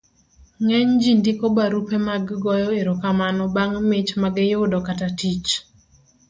ng'eny ji ndiko barupe mag goyo erokamano bang' mich ma giyudo kata tich